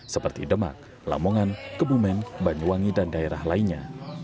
seperti demak lamongan kebumen banyuwangi dan daerah lainnya